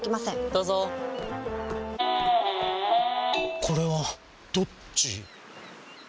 どうぞこれはどっち？